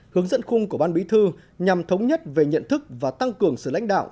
hướng dẫn khung của ban bí thư nhằm thống nhất về nhận thức và tăng cường sự lãnh đạo